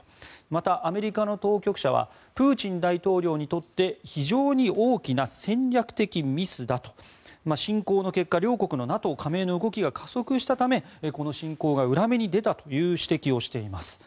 また、アメリカの当局者はプーチン大統領にとって非常に大きな戦略的ミスだと。侵攻の結果両国のＮＡＴＯ加盟の動きが加速したためこの侵攻が裏目に出たという指摘をしています。